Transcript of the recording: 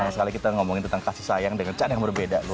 sekali sekali kita ngomongin tentang kasih sayang dengan cat yang berbeda lu